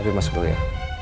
afif masuk dulu ya